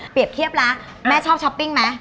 เปรียบเทียบละแม่ชอบช้อปปิ้งไหม